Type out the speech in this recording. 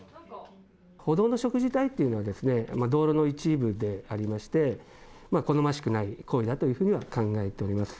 歩道の植樹帯というのは道路の一部でありまして、好ましくない行為だというふうには考えております。